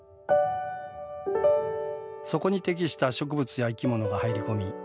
そこに適した植物や生き物が入り込み